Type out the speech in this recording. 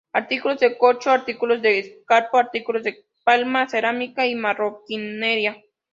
Artículos de corcho, artículos de esparto, artículos de palma, cerámica y marroquinería.